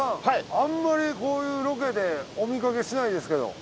あんまりこういうロケでお見かけしないですけど。